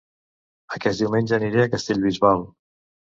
Aquest diumenge aniré a Castellbisbal